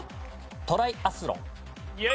トライアスロン。